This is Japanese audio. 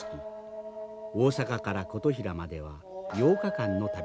大阪から琴平までは８日間の旅です。